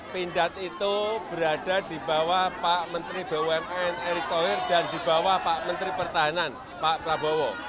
pindad itu berada di bawah pak menteri bumn erick thohir dan di bawah pak menteri pertahanan pak prabowo